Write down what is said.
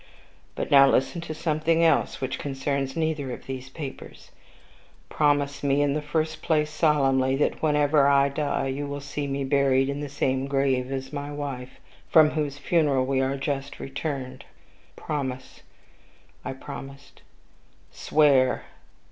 But now listen to something else, which concerns neither of these papers. Promise me, in the first place, solemnly, that whenever I die you will see me buried in the same grave as my wife, from whose funeral we are just returned. Promise." I promised. "Swear."